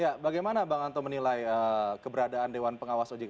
ya bagaimana bang anto menilai keberadaan dewan pengawas ojk